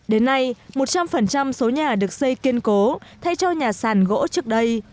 đến nay một trăm linh số nhà được xây kiên cố thay cho nhà sàn gỗ trước đây